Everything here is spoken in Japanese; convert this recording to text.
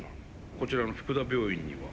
こちらの福田病院には？